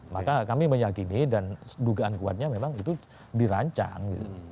maka kami meyakini dan dugaan kuatnya memang itu dirancang